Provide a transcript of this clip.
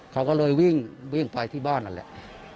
เขาก็เลยวิ่งไปที่บ้านนั่นแหละ